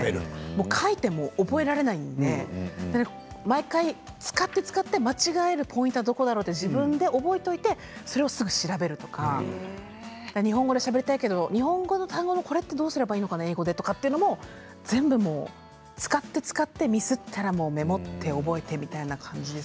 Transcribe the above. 書いても覚えないので使って使って間違えるポイントはどこだろうと覚えておいてそれをすぐに調べるとか日本語でしゃべりたいけど日本語のこれはどうすればいいのかな英語でって使って使ってミスをしたらメモって覚えて。